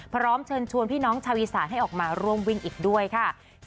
พร้อมเชิญชวนพี่น้องชาวอีสานให้ออกมาร่วมวิ่งอีกด้วยค่ะ